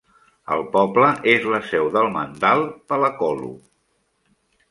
El poble és la seu del mandal Palakollu.